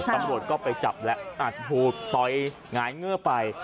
ตำรวจก็ไปจับแล้วอัดหูดต่อยหงายเงื่อไป